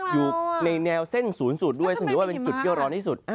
อยู่ในแนวเส้น๐๐ด้วยสมมุติว่าเป็นจุดเยาว์ร้อนที่สุด